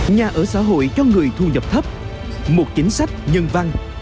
nhà ở xã hội cho người thu nhập thấp một chính sách nhân văn